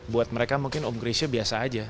buat mereka mungkin almarhum krisha biasa aja